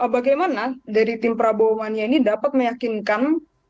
bagaimana dari tim prabowo mania ini dapat meyakinkan